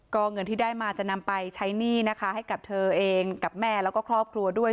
ก็เงินที่ได้มาจะนำไปใช้หนี้นะคะให้กับเธอเองกับแม่แล้วก็ครอบครัวด้วย